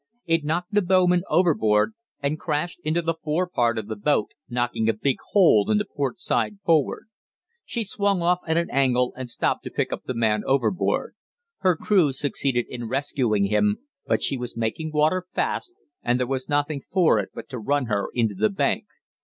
It knocked the bowman overboard and crashed into the fore part of the boat, knocking a big hole in the port side forward. She swung off at an angle and stopped to pick up the man overboard. Her crew succeeded in rescuing him, but she was making water fast, and there was nothing for it but to run her into the bank.